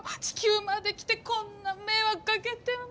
地球まで来てこんな迷惑かけて。